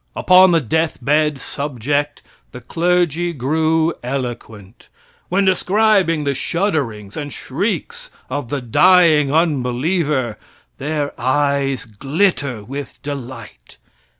Upon the death bed subject the clergy grew eloquent. When describing the shudderings and shrieks of the dying unbeliever their eyes glitter with delight.